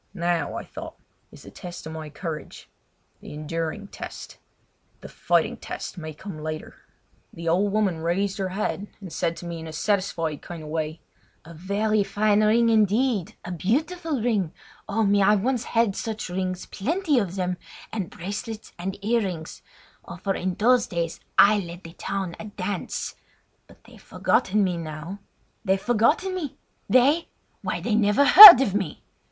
Now, I thought, is the test of my courage—the enduring test: the fighting test may come later! The old woman raised her head and said to me in a satisfied kind of way: "A very fine ring, indeed—a beautiful ring! Oh, me! I once had such rings, plenty of them, and bracelets and earrings! Oh! for in those fine days I led the town a dance! But they've forgotten me now! They've forgotten me! They? Why they never heard of me!